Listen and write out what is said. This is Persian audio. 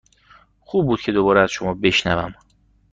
خوب بود که دوباره از شما بشنوم.